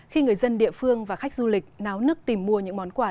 khi người dân địa phương và khách du lịch náo nước tìm mua những món quà